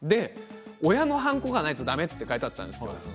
親のはんこがないとだめって書いてあったんです。